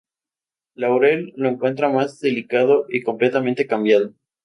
Laurel lo encuentra más delicado y completamente cambiado.